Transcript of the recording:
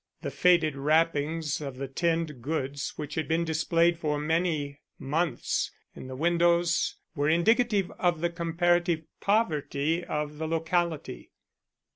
The faded wrappings of the tinned goods which had been displayed for many months in the windows were indicative of the comparative poverty of the locality.